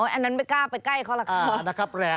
อันนั้นไม่กล้าไปใกล้เขาล่ะครับ